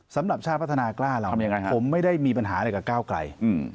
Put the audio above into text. สำหรับชาติพัฒนากล้าเราผมไม่ได้มีปัญหาอะไรกับก้าวไกล